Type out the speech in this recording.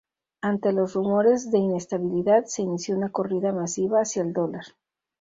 Ante los rumores de inestabilidad, se inició una corrida masiva hacia el dólar.